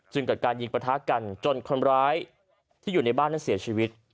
เกิดการยิงประทะกันจนคนร้ายที่อยู่ในบ้านนั้นเสียชีวิต